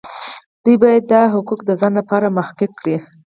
دوی باید دا حقوق د ځان لپاره محقق کړي.